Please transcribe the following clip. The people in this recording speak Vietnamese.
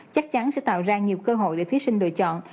chắc chắn sẽ tạo ra nhiều cơ hội để thí sinh lựa chọn